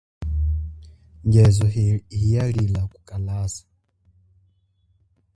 Ngezo hiya lila kukalasa.